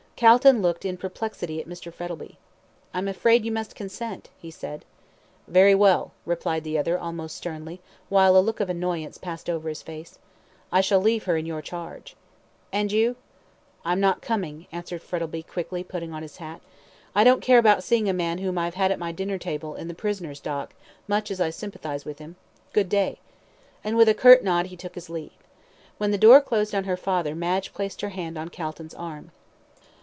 Calton looked in perplexity at Mr. Frettlby. "I'm afraid you must consent," he said. "Very well," replied the other, almost sternly, while a look of annoyance passed over his face. "I shall leave her in your charge." "And you?" "I'm not coming," answered Frettlby, quickly, putting on his hat. "I don't care about seeing a man whom I have had at my dinner table, in the prisoner's dock, much as I sympathise with him. Good day;" and with a curt nod he took his leave. When the door closed on her father, Madge placed her hand on Calton's arm.